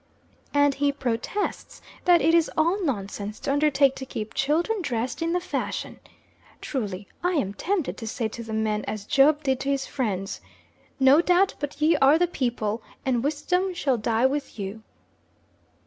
And he protests that it is all nonsense to undertake to keep children dressed in the fashion! Truly I am tempted to say to the men as Job did to his friends: "No doubt but ye are the people, and wisdom shall die with you!"